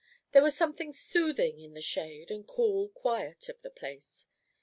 There was something soothing in the shade and cool quiet of the place.